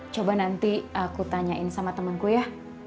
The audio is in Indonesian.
coba nanti aku tanyain sama temenku ya